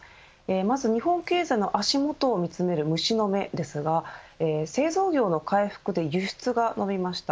まず日本経済の足元を見詰める虫の目ですが製造業の回復で輸出が伸びました。